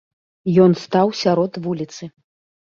Ён стаў сярод вуліцы.